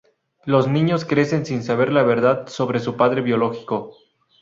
Los niños crecen sin saber la verdad sobre su padre biológico.